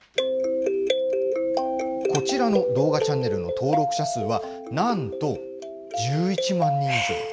こちらの動画チャンネルの登録者数は、なんと１１万人以上。